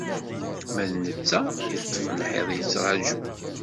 Ma d netta yeṭṭef lḥiḍ yettraju.